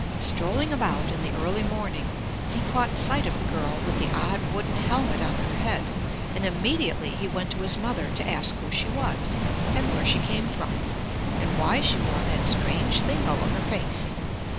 Strolling about in the early morning, he caught sight of the girl with the odd wooden helmet on her head, and immediately he went to his mother to ask who she was, and where she came from, and why she wore that strange thing over her face.